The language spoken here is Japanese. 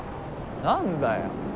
何だよ。